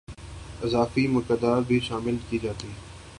اضافی مقدار بھی شامل کی جاتی